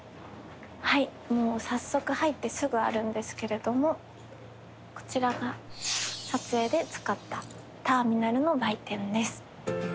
はいもう早速入ってすぐあるんですけれどもこちらが撮影で使ったターミナルの売店です。